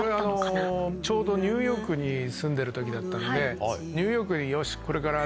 ちょうどニューヨークに住んでる時だったのでニューヨークでよし！